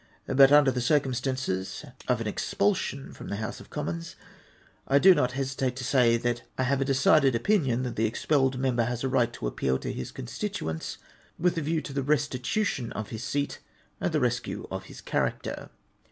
But under the circumstances of an expulsion from the House of Commons, I do not hesitate to say, that I have a decided opinion that the expelled member has a right to appeal to his constituents, with a view to the restitution of his seat and the rescue of his character.